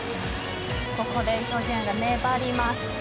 ここで伊東純也が粘ります。